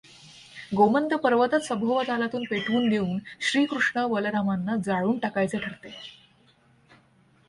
गोमंत पर्वतच सभोवतालातून पेटवून देऊन श्रीकृष्ण बलरामांना जाळून टाकायचे ठरते.